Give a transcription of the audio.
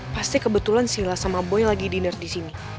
pasti kebetulan sila sama boy lagi dinner disini